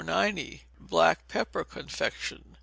Black Pepper Confection.